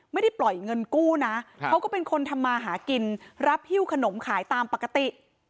ไม่ได้ปล่อยเงินกู้นะเขาก็เป็นคนทำมาหากินรับฮิ้วขนมขายตามปกติ